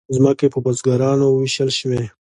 ځمکې په بزګرانو وویشل شوې.